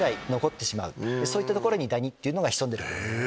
そういった所にダニっていうのが潜んでる。